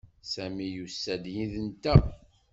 Sami yusa-d yid-nteɣ.